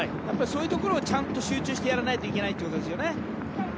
やっぱり、そういうところを集中してやらないといけないということですね。